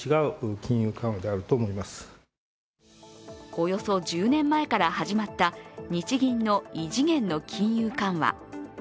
およそ１０年前から始まった日銀の異次元の金融緩和。